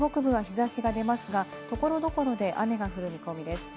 九州北部は日差しが出ますが、所々で雨が降る見込みです。